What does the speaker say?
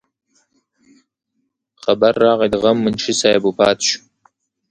خبر راغے د غم منشي صاحب وفات شو